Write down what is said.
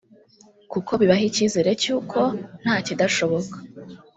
kuko bibaha icyizere cy’uko nta kidashoboka